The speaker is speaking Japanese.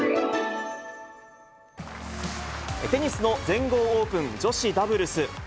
テニスの全豪オープン女子ダブルス。